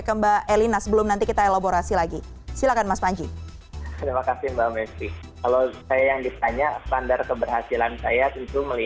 tapi bisa dikategorikan sebagai negara yang berhasil mengendalikan krisis kesehatan dan ekonomi akibat adanya pandemi covid sembilan belas